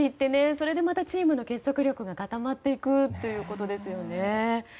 それでまたチームの結束力が高まっていくということですね。